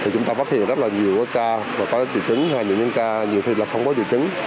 chúng ta phát hiện rất là nhiều ca và có triệu chứng hay những ca nhiều khi là không có triệu chứng